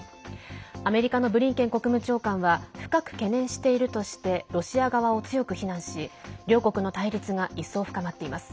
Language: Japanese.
アメリカのブリンケン国務長官は深く懸念しているとしてロシア側を強く非難し両国の対立が一層深まっています。